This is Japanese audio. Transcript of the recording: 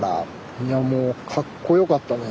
いやもうかっこよかったね